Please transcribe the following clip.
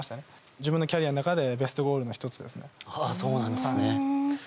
自分のキャリアの中でベストゴールの１つですね。